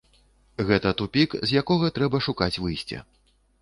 Гэта тупік, з якога трэба шукаць выйсце.